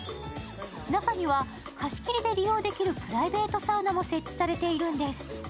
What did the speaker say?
中には貸し切りで利用できるプライベートサウナも設置されているんです。